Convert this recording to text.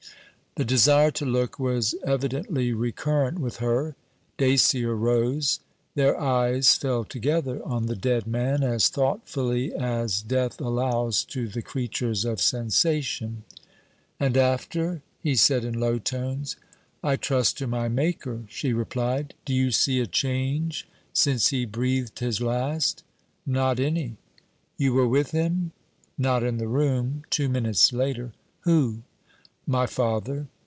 The desire to look was evidently recurrent with her. Dacier rose. Their eyes fell together on the dead man, as thoughtfully as Death allows to the creatures of sensation. 'And after?' he said in low tones. 'I trust to my Maker,' she replied. 'Do you see a change since he breathed his last?' 'Not any.' 'You were with him?' 'Not in the room. Two minutes later.' 'Who...?' 'My father.